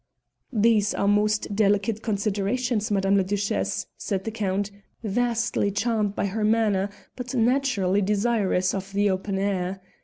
"These are most delicate considerations, Madame la Duchesse," said the Count, vastly charmed by her manner but naturally desirous of the open air.